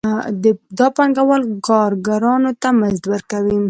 دا پانګوال کارګرانو ته مزد ورکوي